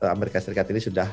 amerika serikat ini sudah